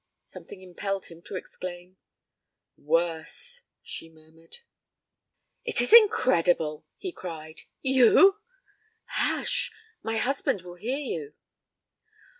something impelled him to exclaim. 'Worse,' she murmured. 'It is incredible!' he cried. 'You!' 'Hush! My husband will hear you.'